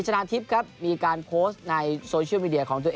ชนะทิพย์ครับมีการโพสต์ในโซเชียลมีเดียของตัวเอง